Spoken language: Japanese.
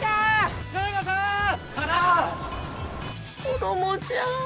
子どもちゃん。